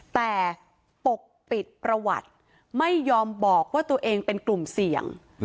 แต่ปกปิดประวัติไม่ยอมบอกว่าตัวเองเป็นกลุ่มเสี่ยง